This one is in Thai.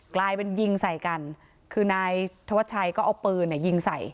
กลายเป็นยิงใส่กันคือนายธวัชชัยก็เอาปืนเนี่ยยิงใส่